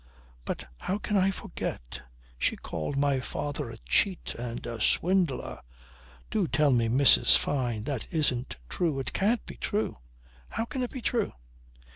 "But how can I forget? she called my father a cheat and a swindler! Do tell me Mrs. Fyne that it isn't true. It can't be true. How can it be true?"